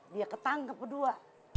dia ketangkep berdua